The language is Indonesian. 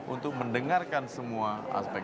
untuk mendengarkan semua aspek